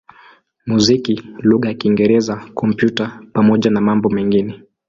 muziki lugha ya Kiingereza, Kompyuta pamoja na mambo mengine.